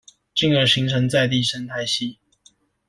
進而形成在地生態系